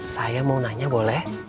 saya mau nanya boleh